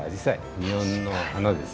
日本の花です。